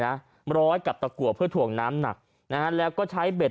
นะร้อยกับตะกัวเพื่อถ่วงน้ำหนักนะฮะแล้วก็ใช้เบ็ด